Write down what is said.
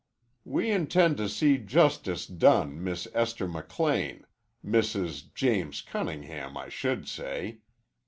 "We intend to see justice done Miss Esther McLean Mrs. James Cunningham, I should say.